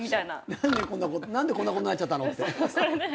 何でこんなことになっちゃったのって？